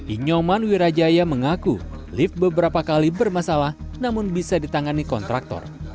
inyoman wirajaya mengaku lift beberapa kali bermasalah namun bisa ditangani kontraktor